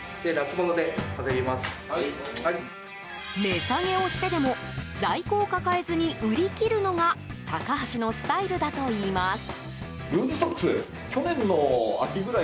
値下げをしてでも在庫を抱えずに売り切るのがタカハシのスタイルだといいます。